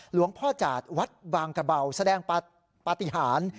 หลวงพ่อจาดวัดบางกระเบาแสดงปฏิหาร